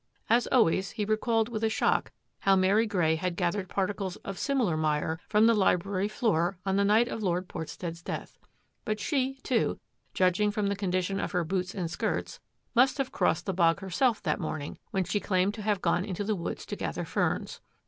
As always, he re called with a shock how Mary Grey had gathered particles of similar mire from the library floor on the night of Lord Portstead's death. But she, too, judging from the condition of her boots and skirts, must have crossed the bog herself that morn ing when she claimed to have gone into the woods to gather ferns.